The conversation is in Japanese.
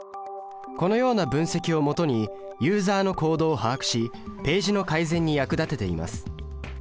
このような分析をもとにユーザの行動を把握しページの改善に役立てています。